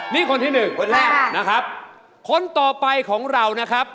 นี่คนที่หนึ่งคนแรกนะครับคนต่อไปของเรานะครับ